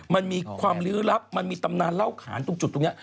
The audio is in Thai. มันมีความลื้อลับมันมีตำนานเล่าขานตรงจุดตรงนี้